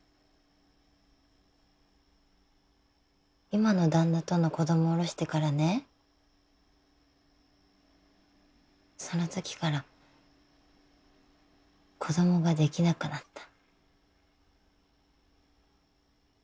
今の旦那との子どもおろしてからねそのときから子どもができなくなった。